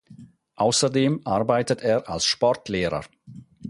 Außerdem arbeitet er als Sportlehrer.